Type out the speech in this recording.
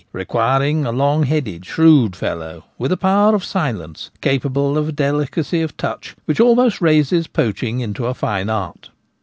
re quiring a long headed, shrewd fellow, with a power of silence, capable of a delicacy of touch which almost raises poaching into a fine art.